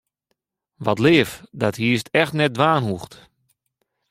Wat leaf, dat hiest echt net dwaan hoegd.